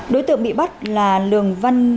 đối tượng bị bắt là lường văn văn